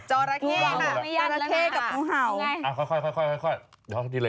จอราเคกับงูเห่า